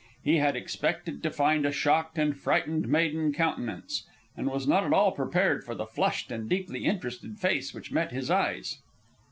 He had expected to find a shocked and frightened maiden countenance, and was not at all prepared for the flushed and deeply interested face which met his eyes.